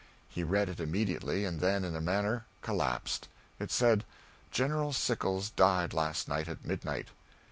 He read it immediately, and then, in a manner, collapsed. It said: "General Sickles died last night at midnight."